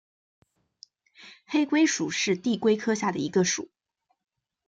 黑龟属是地龟科下的一个属。